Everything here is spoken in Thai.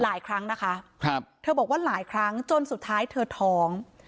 หลายครั้งนะคะครับเธอบอกว่าหลายครั้งจนสุดท้ายเธอท้อง